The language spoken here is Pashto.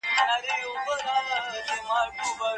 انټرنیټي بازارموندنه وکړي.